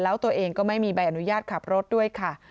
แล้วตัวเองก็ไม่มีใบอนุญาตขับรถด้วยค่ะ